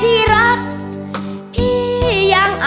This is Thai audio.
เพราะเธอชอบเมือง